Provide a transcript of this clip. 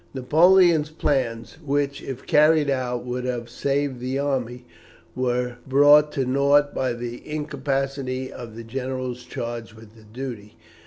Napoleon's plans, which, if carried out, would have saved the army, were brought to nought by the incapacity of the generals charged with the duty.